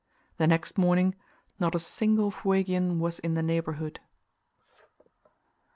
The next morning not a single Fuegian was in the neighbourhood.